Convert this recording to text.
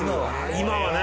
今はね。